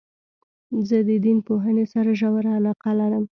زه د دین پوهني سره ژوره علاقه لرم.